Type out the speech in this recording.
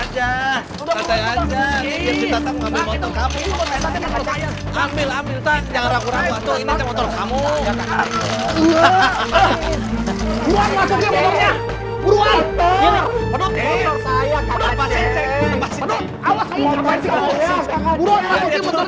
jangan mau jangan mau jangan mau disuruh suruh sama papanya motor motor